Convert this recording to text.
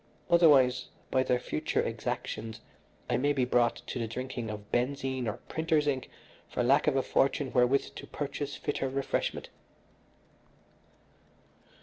Otherwise, by their future exactions I may be brought to the drinking of benzene or printer's ink for lack of a fortune wherewith to purchase fitter refreshment."